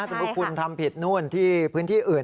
สมมุติคุณทำผิดนู่นที่พื้นที่อื่น